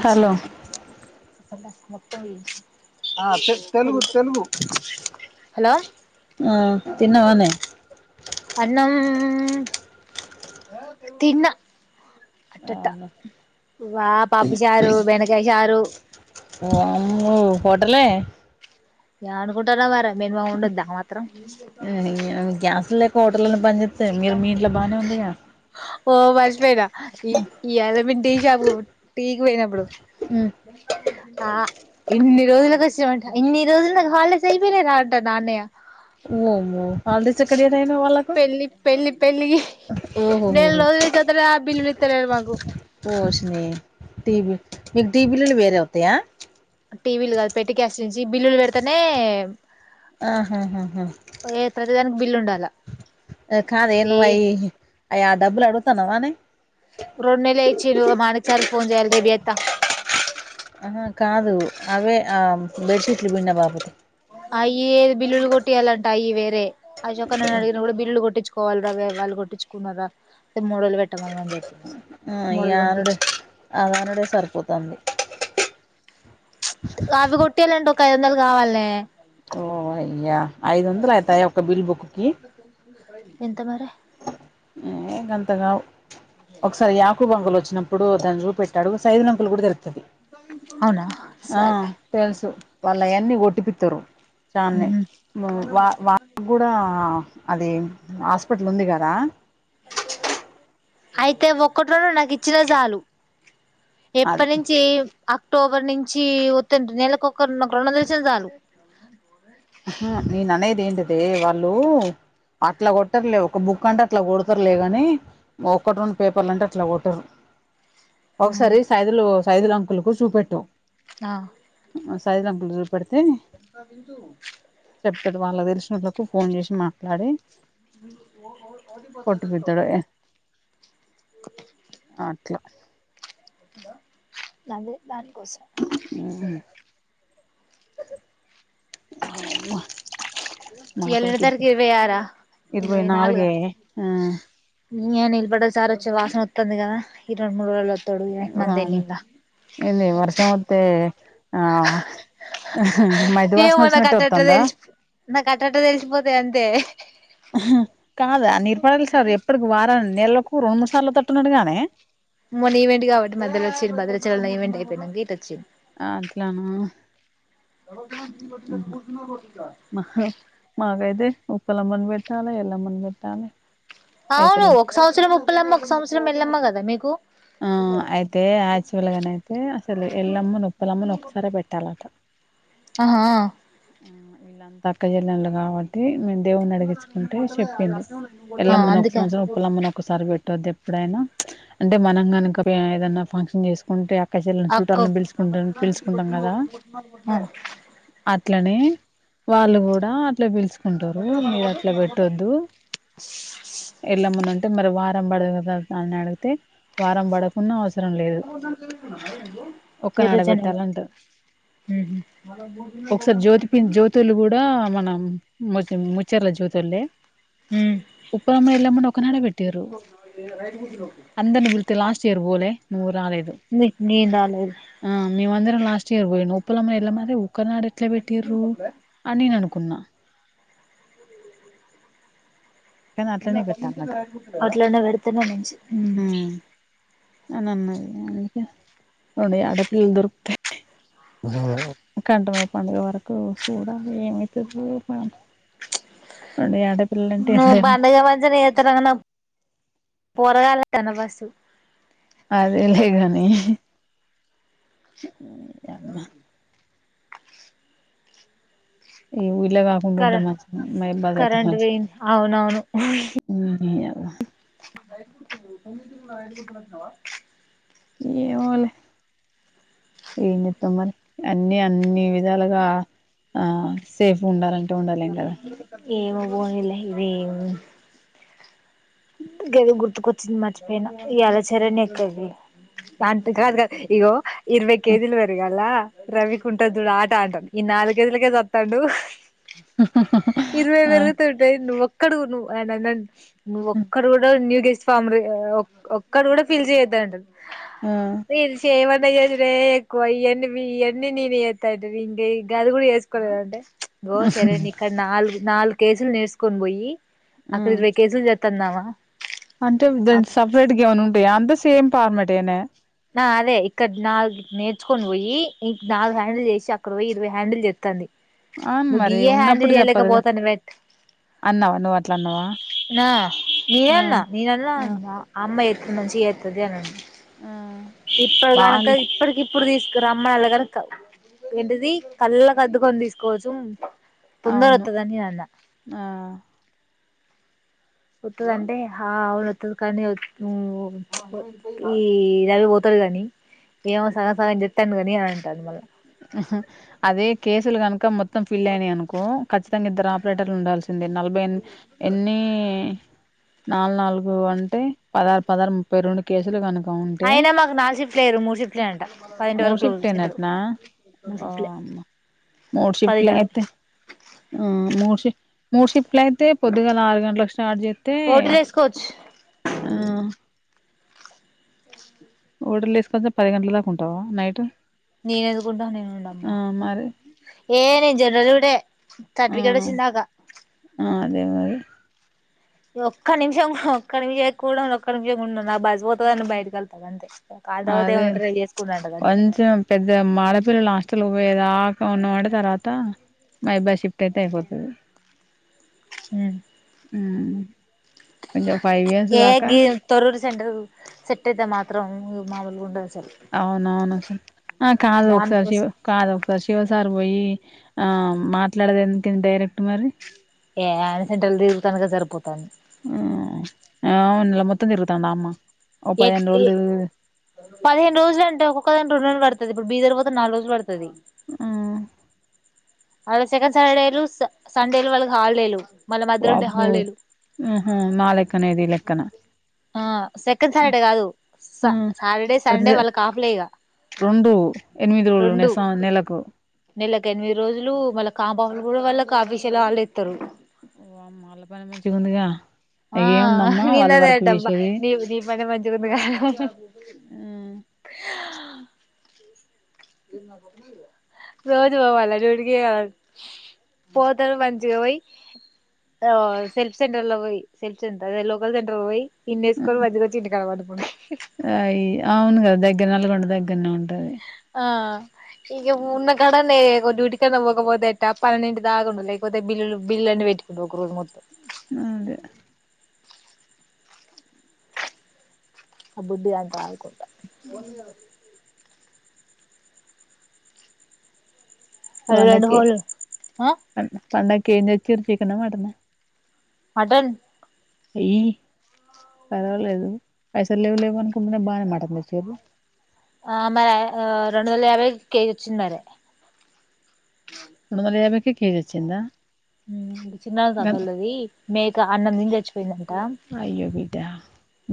ఇషి hello hello ఆ తిన్నవానే అన్నం తిన్న అట్టట్ట అవును వామ్ పప్పు చారు బెండకాయ చారు వామ్ము హోటలే ఏ అనుకుంటావ్ మరి మేము ఉండద్దా మరి త్రం హోటల్లనన్ ఓ మర్చిపోయిన ఈ ఈయ్యల మేము టీ షాపుకు టీకి పోయినప్పుడు ఆ ఈన్ని రోజులకు వచ్చేమంట ఇన్ని రోజులకు హాల్డేస్ అయిపోనయి రా అంటన్న ఆ అన్నయ్య. వామ్మో హాల్డేస్ చెక్క జేయడు పెళ్లి పెళ్లి పెళ్లి ఇహి ఓహోహోహో నెలరోజుల నుంచి అడుగుతాన ఆ బిల్లులు ఇత్తలేడు మాకు. ఓసిని టీబీ మీకు డీ బిల్లులు వేరే వత్తయా టీవీల్గాదు పెట్టికాస్ జీ జీ బిల్లులు పెడుతనే ఆహాహాహా ఏప్రిల్ దానికి బిల్లు ఉండాల కాదే నువు అయి అయా ఆ డబ్బులు అడుగుతానవానే. రెండు నెలయిచ్చి ను మాణికసార్ కు ఫోన్ చేయాలి రేబ్ జేస్తా. అహ కాదు అవే ఆ బెడ్షీట్లు బిండిన బింద్నబపు అయ్యే బిల్లులు కొట్టేయాలంట అయి వేరే అయ్యో అక్క నేనడిగిన కూడా బిళ్ళులు కొట్టిచ్చు పోలరావే వాళ్ళు కొట్టిుచ్చుకున్నర్ర టెమ్మో లొల్లి పెట్టకని అని చెప్పు. ఆ ఈ ఆనుడే అదనుడే సరిపోతంది. ఆవి కొట్టియ్యలాంటె ఒక ఐదు వందలు కావాలనే. ఓ అయ్యా ఐదు వందలు అయితయే ఒక బిల్ బుక్‌ కి ఎంత మారే ఏ గంత గావు ఒకసారి యాకోబ్ అంకుల్ వచ్చినప్ప ఇప్పుడు దాన్ని చూపెట్టి అడుగు సైదులు అంకుల్ కి కూడా తెలుసు తేదీ అవునా ఆ సరే తెలుసు వాళ్ల అయ్యి అన్నీ ఒట్టిపిత్తురు చానె వా వాళ్ల గూడా అది హాస్పిటల్ ఉందిగదా అయితే ఒక్కటి రెండు నాకిచ్చిన జాలు అది ఎప్పనుంచి అ క్టోబర్ నుంచి వత్తంటిని నెలకు ఒక నాక్ రెండు వందలు ఇచ్చిన జాలు ఆహా నేను అనేది ఏంటిది వాళ్లు అట్లా కొట్టరులే. ఒక బుక్ అంటే అట్లా కొడతరులే గాని, ఒక్కటి రెండు పేపర్లు అంటే అట్లా కొట్టరు. ఒకసారి సైదులు సైదులంకులుకు సూపెట్టు ఆ ఆ సైదులు అంకుల్కు చూపెడితే చెప్తడు వాళ్లకు తెలిసినోళ్లకి ఫోన్ చేసి మాట్లాడి కొట్టిపిత్తాడు అట్లా లదే దాన్ హు హ్మ్ హమ్మ ఇయాల ఎన్నో తారీఖే ఇరవై ఆరా, ఇరవై నాలుగా హ్మ్ ఎనిలబడ్డ సార్ వచ్చే వాసన వొ, త్తంది కదా ఈ రెండు మూడ్ రోలల్లో వామో ఏంది వర్షం వత్తే ఆ మట్టి వాసన వచ్చినట్టే వత్తందా. అట్టట్టా తెలిసిపోతాయి అంతే. ఆహ్హా కాదు ఆ నిర్పడలు సార్ ఎప్పటికి వారాని నెల్లో కూ రెండు సార్లు వత్తుటన్నుడు గానే మొన్న ఈవెంట్ కాబట్టి మధ్యలో వచ్చింన్, భద్రాచలం ఈవెంట్ అయిపోయాక ఇటు వచ్చింన్. ఆ, అట్లానా మహా మాకైతే ఉప్పులమ్మని పెట్టాల, ఎల్లమ్మ పెట్టాలే. అవును ఒక సంవత్సరం ఉప్పలమ్మ, ఒక సంవత్సరం ఎల్లమ్మ కద్. దా మీకు ఆ అయితే యాక్షువ్వల్ గానైతే అసలు ఎల్లమ్మని ఉప్పలమ్మని ఒకసరే పెట్టాలంట ఆహా వీళ్ళంతా అక్కచెల్లెలు కాబట్టి మేము దేవుడిని అడిగించుకుంటే చెప్పిండు ఆ ఎల్లమ్మని ఒక అందుకే సంవత్సరం ఉప్పలమ్మని ఒకసారి పెట్టొదు ఎప్పుడైనా మనం కనాకనె ఎదన్నా ఫంక్షన్ చేసుకుంటే పక్కచ [unintelligible] ల్లను అక్క చట్టాలను పిలుచుకుంటా పిలుచుకుంటాం కదా అట్లనే వాళ్ళు కూడా అట్లే పిలుచు అంటారు మీరు అట్లా పెట్టొద్దు ఎల్లమ్మ అంటే మరి వర్ పండు అడుగుదామని వాన్నిఅడిగితే వారం బడకున్నా వాస్ ఒక్కనాడ గిరిజనులు పెట్టాలంటారు ఒకసారి జ్యోతి పి జ్యోతులు కూడా మనం ము ముచ్చర్ల జ్యోతులే ఉ ఉప్పయమ్మ ఎల్లమ్మని ఒకనాడె పెట్టింరు అందరిని బిల్ లాస్ట్ ఇయర్ పోలే నువ్వు రాలేదు నీకు నేను రాలేదు అ మేము అందరం లాస్ట్ తెరు పోయిన్ను ఉప్పలమ్మ ఎల్లమ్మలు ఒకనాడు ఎట్లా పెట్టింరు అన్నయ నాను కొన్నా కానీ అట్లనే పెట్టాలన్నట అట్లానె పడు తిన్నా నించి హ్మ్ అని అన్నది అందుకే రెండు ఆడపిల్లలు దొరుకుతె కంటమ పండుగ వరకు చూడాలి ఏమవుతాదొ నువు బండగ వాజనే ఏతుమనవు పోరగాళ్ల ఎనగొస్తాది అదేలేగానీ నీ యామ్మ‍‌ [unintelligible] వీల్లె కాకుండా కర ఉంటే మంచిగుండు మీబాడె అయితే కరెంట్ మంచి పోయింది అ వైయస్దు కుంటూన్నావా [unintelligible] ఏమోలే ఎమ్ చెత్తాం మరి అన్ని అన్ని విధాలుగా ఆ చేసి ఉండారు అని ఉండాలేం కదా ఏమో పోనిలె ఇదేం గెదొ గుర్తుకు వచ్చింది మర్చిపోయిన ఇయాల శరణ్యా వస్తాది ఇరవై కేజీలు పెరగాల్ల రవికుంటాది చూడు ఆట అడ్డాం ఈ నాలుగేజలకే చత్తాండు హుహ హ ఇదివే వర దొడ్ ఒక్కడ ను ను ఒక్కరు కూడా ను నీడిసి ఫమ్ ఒక్కరు కూడా ఫిల్ చేయద్దు అండి. ఆ [unintelligible] రీల్ చేయవో ఏద్రే ఎక్కు ఈ ఎ ఈ ఎన్ని నీ ఏతాయి ఇం ఈ అదుగు ఏస్కోద అండండి. చ్ ఓ సరే ని నాలుగు కేజీలు నేర్చకొని పోయి అఖరి కేసులు తిన్నావా అంటే దా సపరేట్గా ఏమనా ఉంటాయి. అంత సేమ్ పార్మటేనా నా అదే ఇక్కడ నాలుగు నేర్చుకుని పోయి ఇ నాలుగు హ్యాండిల్ చేసి, అక్కడ పోయి ఇరవై హ్యాండిల్ చేస్తంది. అవును నువ్వు మరి గియయే హ్యాండిల్ ఉన్నప్పుడు చెప్పాలిగా చేయలేకపోతాను బట్ అన్నావా నువ్వు అట్లా అన్నావా నా ఆ నేనన్నా ఆ నేనన్నా అమ్మ మంచిగా చేతుంది అనండి. ఆ ఇప్పుడు కనక వాళ్ళు ఇప్పడుకిప్పు ఇప్పుడు తీసుకుమ్మ నల్లగాని ఏంటిది కళ్ళ కద్దుకొని తీసుకోవచ్చు. అవును పుందరత్త తని అన్న ఆ వతుద అంటే అవును వస్తుది కానీవు ఈ రవి పోతడు కాని ఏమో సగం సగం చెపతాను కాని అ దని మల అదే కేసులు కనుకు ఇ మొత్తం ఫిల్ అయినాయి అనుకో ఖచ్చితంగా ఇద్దరు ఆపరేటర్లు ఉండాల్సిందే. నలభై ఎన్ని నాలుగు నాలుగు అంటే పదహారు పదహారు ముప్పై రెండు కేసులు కనుక. ఉంటే అయినా మాకు నాలుగుషిఫ్ట్ లేయరు. మూడు షిఫట్ లేయంట పదిడు వరకు తంటారు ఆ ఓ మూడు షిఫ్టల్ పదింటి వరకు అయితే మూర్షి మూర్షి అప్ల అయితే పొద్దుగా నాలుగు గంటలకు స్టార్ట్ చేస్తే ఓటీలు వేసుకోవచ్చు ఆ ఓటలు వేసుకొంచెం పది గంటల దాకా ఉంటావా నైట్. నేను ఎదుకుంటా నేనుండమ్మా ఆ మరి ఏ న జ ఇగ చూడే ఆ ఆ అదే మరి ఈ ఒక్క నిమిషం, ఒక్క నిమిషం ఎక్కువ ఒక్క నిమిషం ఉన్న హు కాల్ తర్వాత అదే ఏమైనా ఉంటే రేపు చేసుకుంటాంటది అంతే కొంచం పెద్ద మడా పిల్లలు హాస్టల్ కి పోయే దాకా ఉన్న వంటే. తర్వాత మాబ్బాయి షిఫ్ట్ అయితే అయిపోతది హు హ్మ్ హే గి తొర్రూర్ సెంటర్ సెట్ అయితే మాత్రం మామూల్ గా ఉండద్ అవునవును ఆ కాదు ఒకసార్ శివ దానికోసం కాదు ఒకసార్ శివ సార్ పోయి ఆ మాట్లాడేది [unintelligible] డైరెక్ట్ మరి ఏ ఆయన సెంటర్లో తిరుగుతనకే సరిపోతాంది అవున్లే మొత్తం తిరుగుతాంద అమ్మ ఓ పదిహేను రోజులు తిరుగు పదిహేను రోజులు అంటే ఒక్కొక్కద రెండురోజులు పడుతది ఇప్పుడు బీదర్ నాలుగు రోజులు పడు తది ఆ వాళ్ళ సెకండ్ సాటర్డేలు స సండేలు వాళ్ళ హాలిడేలు మళ్ళ మధ్యలో ఉండే వాబ్బో హాలిడేలు ఊ హు మలెక్కనే వీళ్ల కనా ఆ సెకండ్ సాటర్డే కాదు స ఆ సాటర్డే సండే ప్రతి వాళ్ళకు అఫ్ లే ఇగ రెండు ఎనిమిది రోజులు రెండు నెస నెలకు నెలకు ఎనిమిది రోజులు మల్ల కాంఫ్ ఆఫ్ కూడా వాళ్ళకు ఆఫీషేలో హాలిడే ఇత్తరు ఓ అమ్మ వాళ్ళ పని మంచిగా ఉందిగా ఆ ఏముందమ్మా వాళ్ళ వర్క్ నిన్నదేడబ్బా చేసేది నీవు నీ పనే మంచిగుంది గా హ రోజు పోవాలా డ్యూటీ కి పోతారు మంచిగా పోయి ఆ సెల్ఫ్ సెంటర్ లో పోయి సెల్ఫ్ సెంటర్ అదే లోకల్ సెంటర్ పోయి ఇన్నేసుకొని మంచిగా వచ్చి ఇంటికాడ పండుకునుడే అయి అవును కదా దగ్గర నల్లగొండ దగ్గ [unintelligible] ఉం ఆ ఇగ ఉన్న గడనే ఓ డ్యూటీ కి పోకపోతే ఎట్లా, పన్నెండు ఇంటిదాకా ఉండు లేకపోతే బిల్లు అని పెట్టు కుంట ఒక రోజు మొత్తం ఉంది ఆ బుద్ధి అంతా ఆయికుంట ఓన్లీ అది రెండు హోల్ అ పండకి ఏం తెచ్చిరు చికెన్ నా మటనా మటన్ ఏయ్య పర్వాలేదు పైసలు లేవు లేవు అనుకుంటనే బాగానే మాటిచురు ఆ మరి ఆ రెండు వందల యాభై కేజ వచ్చంది మరి మూడుందల యాభైకే కేజీ వచ్చిందా హ్మ్ చిన్న తతోలది మేక అన్నం తిని చచ్చి [unintelligible] అయ్యో బిడ్డ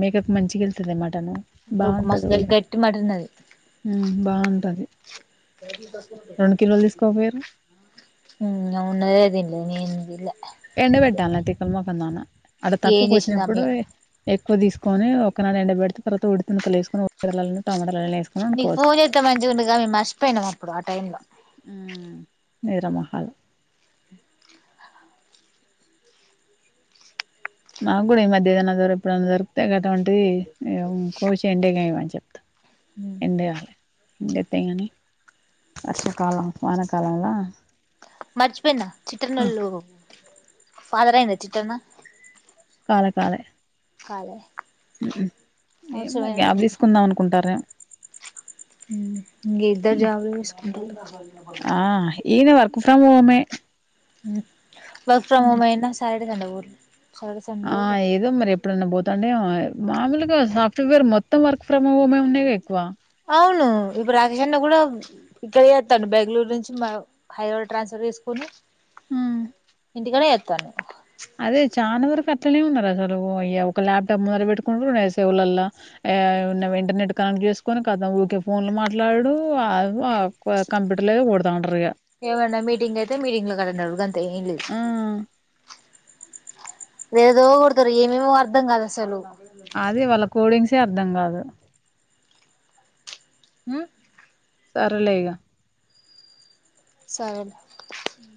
మేక మంచిగ వెళ్తుద మా అంటను బాగుంటది మస్తు కూడా గట్టి మటన్ అది హ్మ్ బాగుంటది రెండు కిలోలు తీసుకోకపోయిరు హ్మ్ ఉనదే తినలే నేను తినలే ఎండ పెట్టాల తిపల్ మాకు [unintelligible] అడ ఏం తక్కువకు చేసింది వచ్చినప్పుడు అమ్మయ్య ఎక్కువ తీసుకు కోని ఒకనాడు ఎండ పెడితే తర్వాత ఉడితిముక్కలు వేసుకొని ఎరగడలు టమాటోలు నీ ఫోన్ చెదే మంచిగా ఉండగా మేము మర్చిపోయినాం అప్పుడు ఆ టైం లో నేరమహల్ నా కూడా ఈ మధ్య ఏదైనా ఎప్పుడు దొరు [unintelligible] కోసి ఎండ ఏయామంటి చెప్త హ్మ్ ఎండేతే గాని వర్షకాలం వానకాలంలా మర్చిపోయిన చిట్ అన్నోళ్లు ఫదరాందచ్చిట్న్న కాలే కాలే కాాలే ఏం గ్యాప్ తీసుకుందాం అనుకుంటార ఇంక ఇద్దరు జాబులు వేసుకుంటురు గుఫా పోమే వర్క్ ఫ్రమ్ హమ్ అయినా సా [unintelligible] ఊర్ ఆ ఏదో మరి ఎప్పుడైన్నా పోతాండే మామూలుగా సాఫ్ట్వేర్ మొత్తం వర్క్ ఫ్రమ్ హోమే ఉన్నాయిగా ఎక్కువ అవును ఇప్పుడు రాకేష్ అన్న కూడా ఇక్కడ చేస్తాను బెంగళూరు నుంచి మా హైదరాబాద్ ట్రాన్స్ఫర్ చేసుకుొని హ్మ్. ఇంటికనే చేతాను అదే చాలా వరకు అట్లనే ఉన్నారు అసలు ఒక ల్యాప్టాప్ ముందలు పెట్టుకుంటారు సేవులలో ఇంటర్నెట్ కనెక్ట్ చేసుకొని కద ఓకే ఫోన్ లో మాట్లాడు కంప్యూటర్ గా కొడతా ఉంటారు ఇగ ఏమన్నా మీటింగ్ అయితే మీటింగ్ లో అటెండ్ అవ్వుడు అంతే ఏం లేదు ఆ! లేదో కొడతారు ఏమేమో అర్ధం కాదు అసలు అదే వాళ్ళ కోడింగ్సే అర్దం గాదు హ్మ్ సరేలేగా సరేలే ఉ